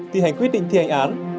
thi hành quyết định thi hành án